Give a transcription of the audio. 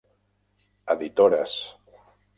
Editores: